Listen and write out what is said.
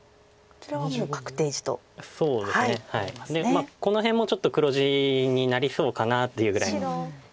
まあこの辺もちょっと黒地になりそうかなというぐらい。